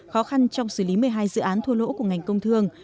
khó khăn trong xử lý một mươi hai dự án thua lỗ của ngành công thương